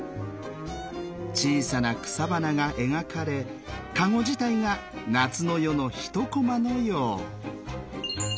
小さな草花が描かれかご自体が夏の夜の一コマのよう。